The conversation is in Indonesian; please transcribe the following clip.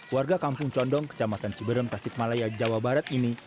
warga kampung condong kecamatan ciberon tasik malaya jawa barat ini